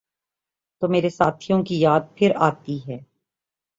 تو مرے ساتھیوں کی یاد پھرآتی ہے۔